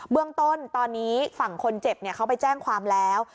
เรื่องต้นตอนนี้ฝั่งคนเจ็บเขาไปแจ้งความแล้ว